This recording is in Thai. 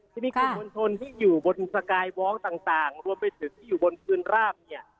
จะมีกลุ่มมวลชนที่อยู่บนสกายวอล์กต่างรวมไปถึงที่อยู่บนพื้นราบเนี่ย